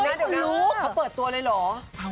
เดี๋ยวลูกเขาเปิดตัวเลยเหรอ